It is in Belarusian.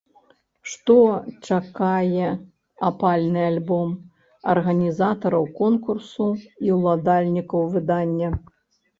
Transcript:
Што чакае апальны альбом, арганізатараў конкурсу і ўладальнікаў выдання.